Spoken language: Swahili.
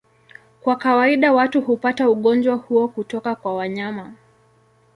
Kwa kawaida watu hupata ugonjwa huo kutoka kwa wanyama.